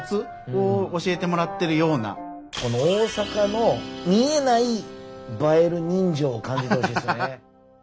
この大阪の見えない映える人情を感じてほしいですね。